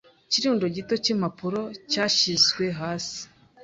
ikirundo gito cy’impapuro cyashyizwe hasi,